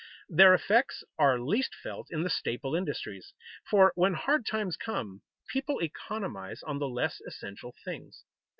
Their effects are least felt in the staple industries, for when hard times come, people economize on the less essential things.